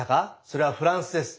それはフランスです。